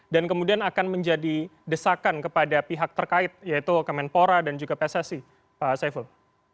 dan kemudian akan menjadi desakan kepada pihak terkait yaitu kemenpora dan juga pssi pak saiful